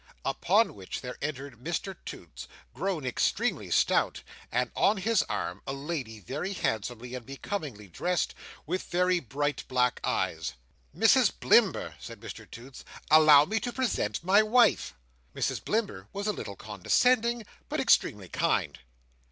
Upon which there entered Mr Toots, grown extremely stout, and on his arm a lady very handsomely and becomingly dressed, with very bright black eyes. "Mrs Blimber," said Mr Toots, "allow me to present my wife." Mrs Blimber was delighted to receive her. Mrs Blimber was a little condescending, but extremely kind.